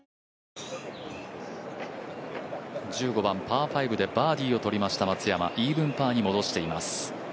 １５番、パー５でバーディーを取りました、松山イーブンパーに戻しています。